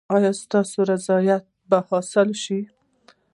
ایا ستاسو رضایت به حاصل شي؟